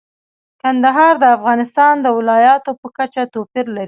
کندهار د افغانستان د ولایاتو په کچه توپیر لري.